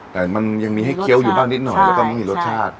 แต่มันยังมีให้เคี้ยวอยู่บ้างนิดหน่อยแล้วก็ไม่มีรสชาติ